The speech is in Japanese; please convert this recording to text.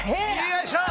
よいしょ！